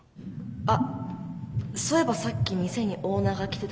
あっそういえばさっき店にオーナーが来てたじゃないですか。